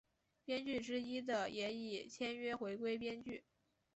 编剧之一的也已签约回归编剧。